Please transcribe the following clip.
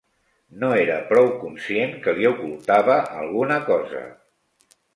No era prou conscient que li ocultava alguna cosa.